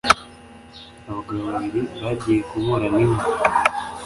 abagabo babiri bagiye kuburana inka;